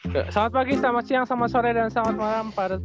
selamat pagi selamat siang selamat sore dan selamat malam pak